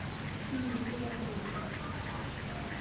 তুমি মিছে কথা বলেছ।